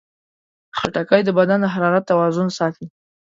خټکی د بدن د حرارت توازن ساتي.